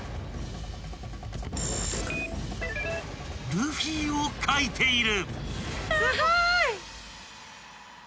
［ルフィを描いている］